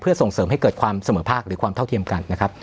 เพื่อส่งเสริมให้เกิดความเสมอภาคหรือความเท่าเทียมกันนะครับ